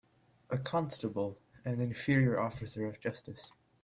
A constable an inferior officer of justice